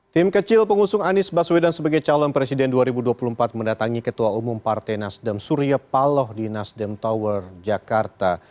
tim kecil pengusung anies baswedan sebagai calon presiden dua ribu dua puluh empat mendatangi ketua umum partai nasdem surya paloh di nasdem tower jakarta